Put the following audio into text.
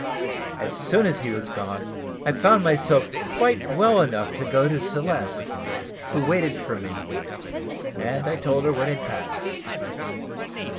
As soon as he was gone, I found myself quite well enough to go to Celeste, who waited for me, and I told her what had passed.